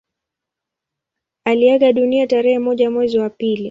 Aliaga dunia tarehe moja mwezi wa pili